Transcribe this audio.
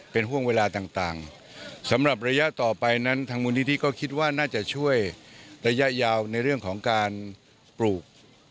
เป็นห่วงเวลาต่างสำหรับระยะต่อไปนั้นทางมูลนิธิก็คิดว่าน่าจะช่วยระยะยาวในเรื่องของการปลูก